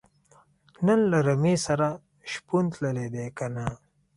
نن له رمې سره شپون تللی دی که نۀ